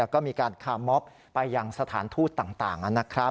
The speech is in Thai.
ก็มีการคาร์มอบไปยังสถานทูตต่างนะครับ